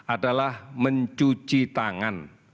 adalah mencuci tangan